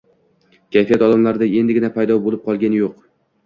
kayfiyat odamlarda endigina paydo bo‘lib qolgani yo‘q